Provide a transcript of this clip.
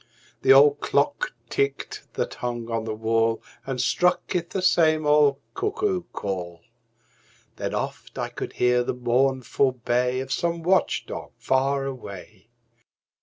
The old clock ticked that hung on the wall And struck 'th the same old cuckoo call; Then oft I could hear the mournful bay Of some watch dog far away.